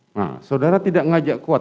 nah saudara tidak ngajak kuat